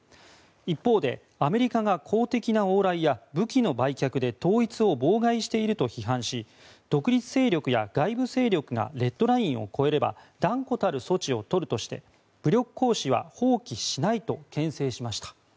一方で、アメリカが公的な往来や武器の売却で統一を妨害していると批判し独立勢力や外部勢力がレッドラインを越えれば断固たる措置をとるとして武力行使は放棄しないと牽制しました。